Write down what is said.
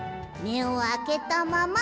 めをあけたまま！？